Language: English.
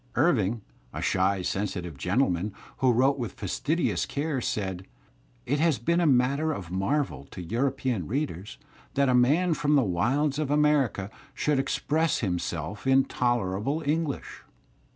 \ Irving, a shy, sensitive gentleman, who wrote with fastidious care, said: "It has been a matter of marvel, to European ^ readers, that a man from the wilds of America should express himself in tolerable English."